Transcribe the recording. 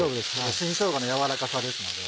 新しょうがの柔らかさですので。